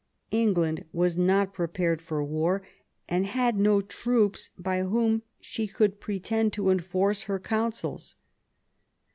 England was not prepared for war, and had no troops by whom she could pretend to enforce her counsels.